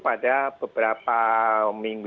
pada beberapa minggu